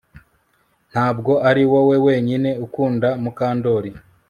Ntabwo ari wowe wenyine ukunda Mukandoli